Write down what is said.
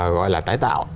gọi là tái tạo